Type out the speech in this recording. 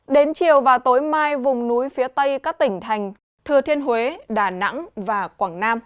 đến chiều và tối mai vùng núi phía tây các tỉnh thành thừa thiên huế đà nẵng và quảng nam